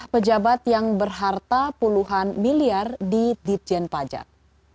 pejabat yang berharta puluhan miliar di ditjen pajak